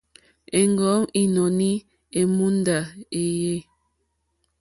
Èŋgúm ínɔ̀ní èmùndá wéèyé.